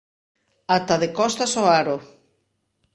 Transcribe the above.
Ata de costas ao aro.